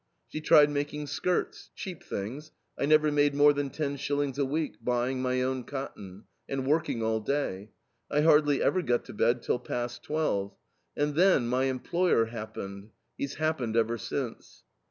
She "tried making skirts ... cheap things.... I never made more than ten shillings a week, buying my own cotton, and working all day. I hardly ever got to bed till past twelve.... And then ... my employer happened he's happened ever since."